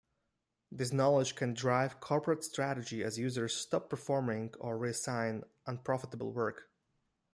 This knowledge can drive corporate strategy as users stop performing or reassign unprofitable work.